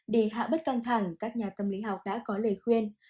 để hạ bất căng thẳng các nhà tâm lý học đã có lời khuyên